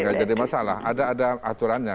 tidak jadi masalah ada aturannya